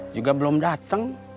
juga belum dateng